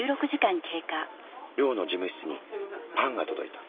寮の事務室にパンが届いた。